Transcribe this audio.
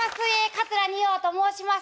桂二葉と申します。